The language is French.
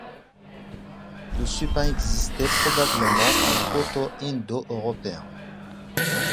Le supin existait probablement en proto-indo-européen.